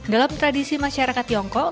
dalam tradisi masyarakat tiongkok